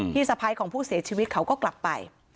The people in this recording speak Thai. สะพ้ายของผู้เสียชีวิตเขาก็กลับไป